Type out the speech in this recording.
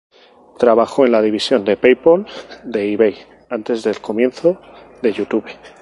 Trabajó en la división de PayPal de eBay antes del comienzo de YouTube.